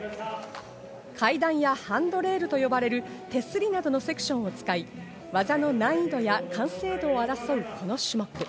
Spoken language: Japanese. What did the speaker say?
階段やハンドレールと呼ばれる手すりなどのセクションを使い、技の難易度や完成度を争うこの種目。